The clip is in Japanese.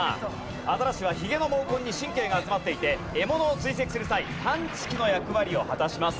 アザラシはヒゲの毛根に神経が集まっていて獲物を追跡する際探知機の役割を果たします。